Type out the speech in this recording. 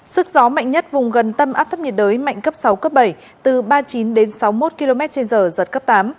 sức gió mạnh nhất vùng gần tâm áp thấp nhiệt đới mạnh cấp sáu cấp bảy từ ba mươi chín đến sáu mươi một km trên giờ giật cấp tám